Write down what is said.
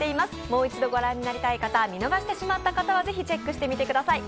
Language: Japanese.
もう一度御覧になりたい方、見逃してしまった方はぜひチェックしてみてください。